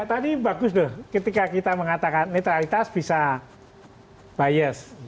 tadi bagus tuh ketika kita mengatakan netralitas bisa bias